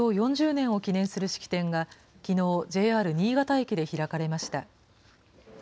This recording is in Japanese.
４０年を記念する式典が、きのうＪＲ新潟駅で開かれました。